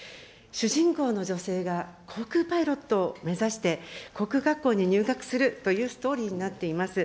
主人公の女性が航空パイロットを目指して、航空学校に入学するというストーリーになっております。